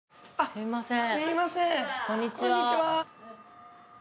すいません。